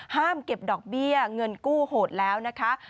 เก็บดอกเบี้ยเงินกู้โหดแล้วนะคะ